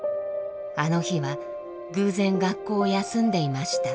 あの日は偶然学校を休んでいました。